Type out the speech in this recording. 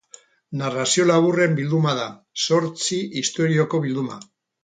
Narrazio laburren bilduma da, zortzi istorioko bilduma.